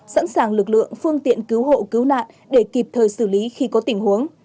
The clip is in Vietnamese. sẵn sàng lực lượng phương tiện cứu hộ cứu nạn để kịp thời xử lý khi có tình huống